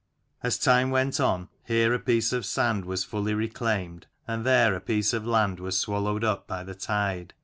As time went on, here a piece of sand was fully reclaimed, and there a piece of land was swallowed up by the tide.